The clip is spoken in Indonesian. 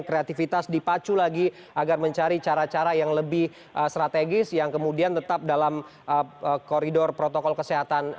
kreativitas dipacu lagi agar mencari cara cara yang lebih strategis yang kemudian tetap dalam koridor protokol kesehatan